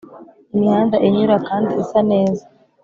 imihanda inyura kandi isa neza